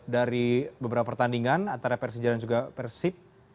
dari beberapa pertandingan antara persija dan juga persib